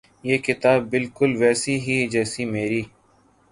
یہ کتاب بالکل ویسی ہے جیسی میری